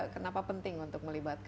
kenapa penting untuk melibatkan